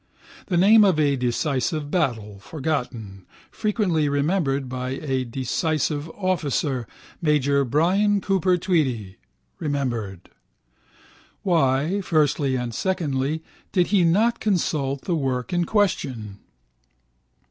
The name of a decisive battle (forgotten), frequently remembered by a decisive officer, major Brian Cooper Tweedy (remembered). Why, firstly and secondly, did he not consult the work in question?